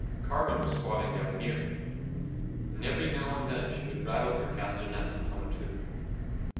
Carmen was squatting down near me, and every now and then she would rattle her castanets and hum a tune.